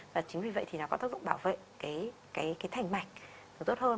và chính vì vậy thì nó có tác dụng bảo vệ cái thành mạch nó tốt hơn